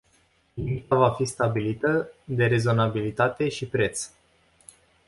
Limita va fi stabilită de rezonabilitate și preț.